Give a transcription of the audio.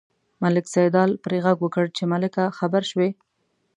ملک سیدلال پرې غږ وکړ چې ملکه خبر شوې.